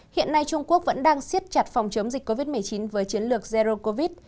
hiện nay trung quốc vẫn đang siết chặt phòng chống dịch covid một mươi chín với chiến lược zero covid